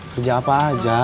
kerja apa aja